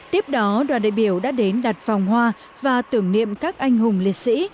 tiếp đó đoàn đại biểu đã đến đặt vòng hoa và tưởng niệm các anh hùng liệt sĩ